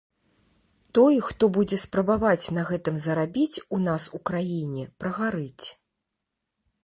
Той, хто будзе спрабаваць на гэтым зарабіць у нас у краіне, прагарыць.